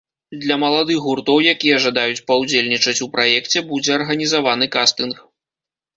Для маладых гуртоў, якія жадаюць паўдзельнічаць у праекце будзе арганізаваны кастынг.